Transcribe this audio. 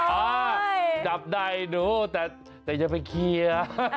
อ้าวจับใดหนูแต่จะไปเคียร์